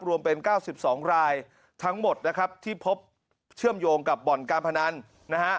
รวมเป็น๙๒รายทั้งหมดนะครับที่พบเชื่อมโยงกับบ่อนการพนันนะฮะ